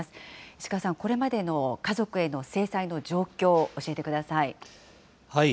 石川さん、これまでの家族への制裁の状況、教えてください。